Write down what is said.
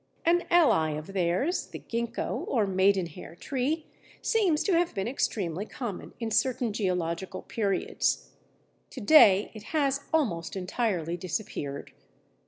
An ally of theirs, the Ginkgo or Maidenhair tree, seems to have been extremely common in certain geological periods. To day it has almost entirely disappeared.